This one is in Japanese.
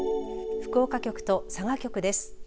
福岡局と佐賀局です。